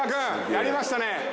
やりました！